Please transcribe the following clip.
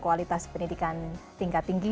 kualitas pendidikan tingkat tinggi